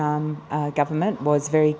những người dân tộc